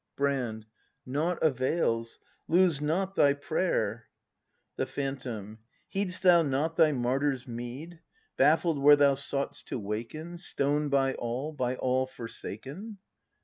Brand. Nought avails. Lose not thy prayer. The Phantom, Heed'st thou not thy martyr's meed ? Baffled where thou sought'st to waken. Stoned by all, by all forsaken